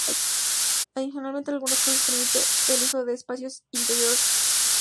Adicionalmente, en algunos casos permite el uso del espacio interior para realizar conducciones.